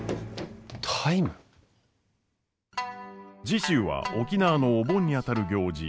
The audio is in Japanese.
次週は沖縄のお盆にあたる行事